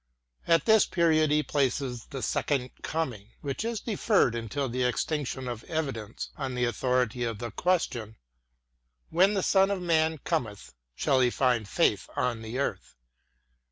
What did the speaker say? At this period he places the second coming, which is deferred until the extinction of evidence, on the authority of the question "When the Son of Man cometh, shall he find faith on the earth?"